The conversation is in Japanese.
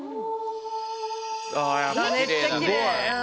やっぱきれいだね。